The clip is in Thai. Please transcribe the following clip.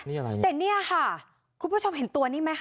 นี่อะไรเนี่ยแต่เนี่ยค่ะคุณผู้ชมเห็นตัวนี้ไหมคะ